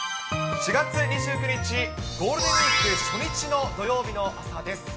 ４月２９日、ゴールデンウィーク初日の土曜日の朝です。